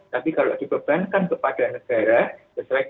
tapi kalau dibebankan kepada negara sesuai dengan keterjangkauan tarif masyarakat